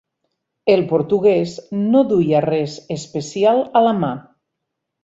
El portuguès no duia res especial a la mà.